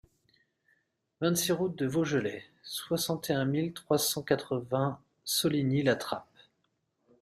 vingt-six route de Vaugelay, soixante et un mille trois cent quatre-vingts Soligny-la-Trappe